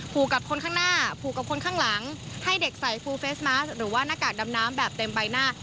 ผูกกับคนข้างหน้าผูกกับคนข้างหลังให้เด็กใส่ฟูเฟสมาสหรือว่าหน้ากากดำน้ำแบบเต็มใบหน้า